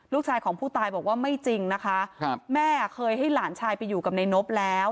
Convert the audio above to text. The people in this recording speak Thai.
ลูกชายของผู้ตายบอกว่าไม่จริงนะคะครับแม่เคยให้หลานชายไปอยู่กับนายนบแล้ว